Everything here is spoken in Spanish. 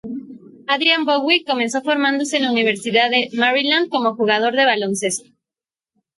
Adrian Bowie, comenzó formándose en la Universidad de Maryland como jugador de baloncesto.